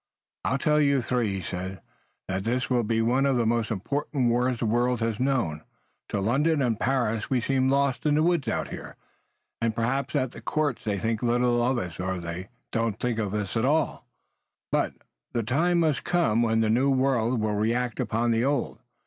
"I tell you three," he said, "that this will be one of the most important wars the world has known. To London and Paris we seem lost in the woods out here, and perhaps at the courts they think little of us or they do not think at all, but the time must come when the New World will react upon the Old.